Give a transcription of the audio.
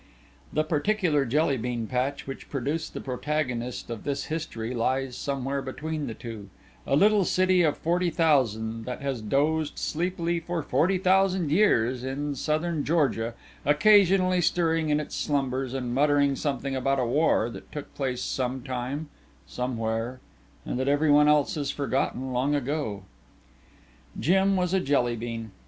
The particular Jelly bean patch which produced the protagonist of this history lies somewhere between the two a little city of forty thousand that has dozed sleepily for forty thousand years in southern Georgia, occasionally stirring in its slumbers and muttering something about a war that took place sometime, somewhere, and that everyone else has forgotten long ago. Jim was a Jelly bean.